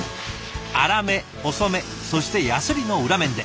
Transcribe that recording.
粗め細めそしてやすりの裏面で。